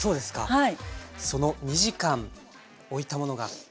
はい。